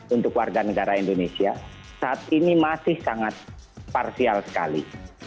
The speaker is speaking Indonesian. untuk warga negara indonesia saat ini masih sangat parsial sekali